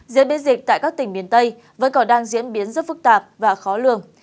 diễn biến dịch tại các tỉnh miền tây vẫn còn đang diễn biến rất phức tạp và khó lường